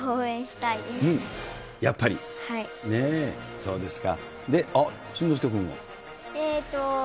そうですか。